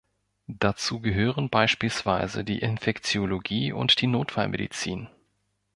Dazu gehören beispielsweise die Infektiologie und die Notfallmedizin.